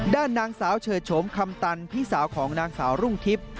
ด้านนางสาวเฉิดโฉมคำตันพี่สาวของนางสาวรุ่งทิพย์